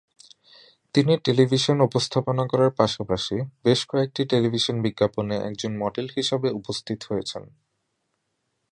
তিনি টেলিভিশন উপস্থাপনা করার পাশাপাশি বেশ কয়েকটি টেলিভিশন বিজ্ঞাপনে একজন মডেল হিসেবে উপস্থিত হয়েছেন।